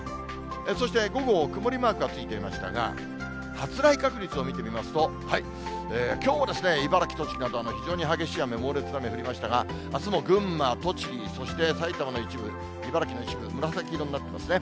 そして午後、曇りマークがついていましたが、発雷確率を見てみますと、きょうも茨城、栃木などは非常に激しい雨、猛烈な雨、降りましたが、あすも群馬、栃木、そして埼玉の一部、茨城の一部、紫色になってますね。